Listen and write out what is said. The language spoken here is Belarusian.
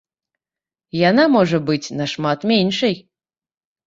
Яна можа быць нашмат меншай.